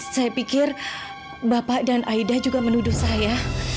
saya pikir bapak dan aida juga menuduh saya